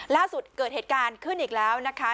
เกิดเหตุการณ์ขึ้นอีกแล้วนะคะ